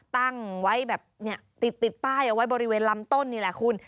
ตั้งไว้แบบติดป้ายเอาไว้บริเวณลำต้นนี่แหละคุณ